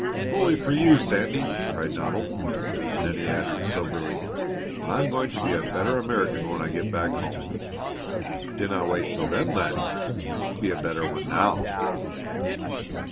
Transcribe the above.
"Bully for you, Sandy!" cried Donald. Then he added soberly: "I am going to be a better American when I get back home." "Dinna wait till then, laddie be a better one now!"